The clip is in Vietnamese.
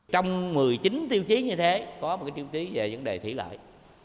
trong một mươi chín tiêu chí như thế có một tiêu chí về vấn đề thủy lợi